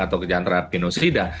atau kejahatan terhadap genosida